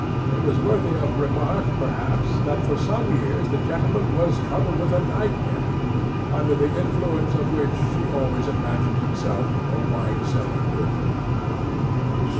It was worthy of remark, perhaps, that for some years the gentleman was troubled with a night mare, under the influence of which he always imagined himself a wine cellar door.